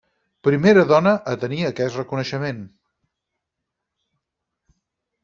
Primera dona a tenir aquest reconeixement.